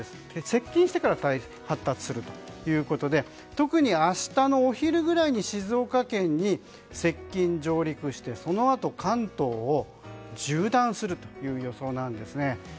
接近してから発達するということで特に明日のお昼ぐらいに静岡県に接近、上陸してそのあと関東を縦断するという予想なんですね。